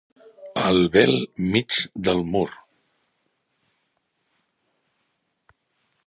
Al bel mig del mur.